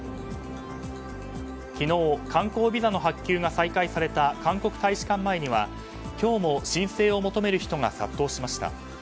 昨日、観光ビザの発給が再開された韓国大使館前には今日も申請を求める人が殺到しました。